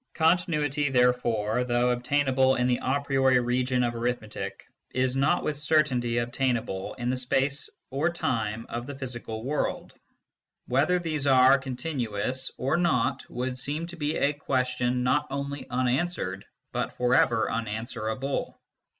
Continuity, therefore, though obtainable in the a priori region ol arithmetic, is not with certainty obtainable in the space or time of the physical world : whether these are con tinuous or not would seem to be a question not only unanswered but for ever unanswerable.